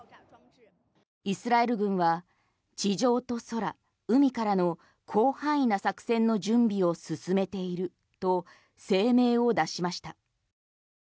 イスラエル軍は地上と空、広範囲からの作戦の準備を進めていると声明を出しました。